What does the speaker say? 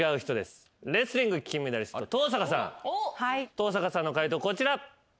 登坂さんの解答こちら。